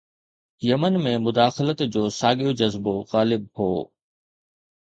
Yemen ۾ مداخلت جو ساڳيو جذبو غالب هو.